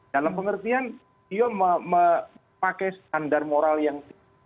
dalam pengertian dia memakai standar moral yang